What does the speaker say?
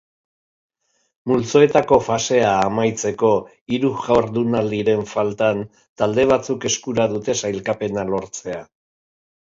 Multzoetako fasea amaitzeko hiru jardunaldiren faltan talde batzuk eskura dute sailkapena lortzea.